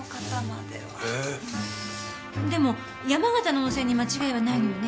でも山形の温泉に間違いはないのよね？